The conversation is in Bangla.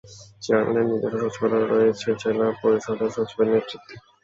চেয়ারম্যানের নিজস্ব সচিবালয় রয়েছে জেলা পরিষদের সচিবের নেতৃত্বে।